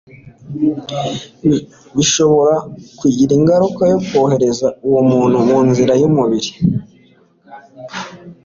bishobora kugira ingaruka yo kohera uwo muntu mu nzira y'umubi,